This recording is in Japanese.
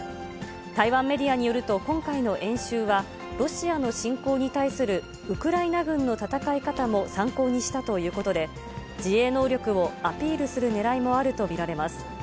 台湾メディアによると、今回の演習は、ロシアの侵攻に対するウクライナ軍の戦い方も参考にしたということで、自衛能力をアピールするねらいもあると見られます。